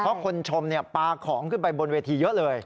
เพราะคนชมปลาของขึ้นไปบนเวทีเยอะเลย